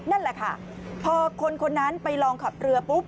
นั่นแหละค่ะพอคนคนนั้นไปลองขับเรือปุ๊บ